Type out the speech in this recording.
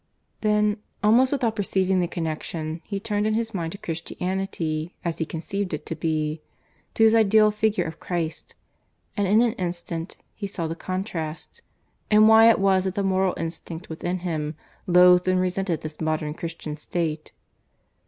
Then, almost without perceiving the connection, he turned in his mind to Christianity as he conceived it to be to his ideal figure of Christ; and in an instant he saw the contrast, and why it was that the moral instinct within him loathed and resented this modern Christian State.